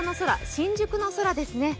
新宿の空ですね。